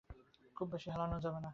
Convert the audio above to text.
খুব বেশি হেলানো যাবে না।